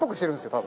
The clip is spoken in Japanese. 多分。